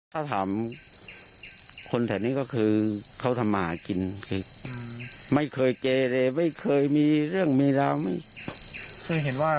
ถ้าถามคนแถวนี้ก็คือเขาทำมากินคือไม่เคยเกเลไม่เคยมีเรื่องมีราวไม่เคยเห็นว่า